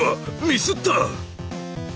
ミスった！